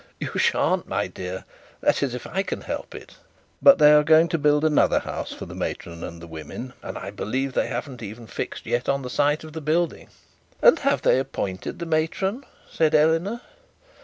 'You shan't, my dear; that is if I can help it. But they are going to build another house for the matron and the women; and I believe they haven't even fixed yet on the site of the building.' 'And have they appointed the matron?' said Eleanor.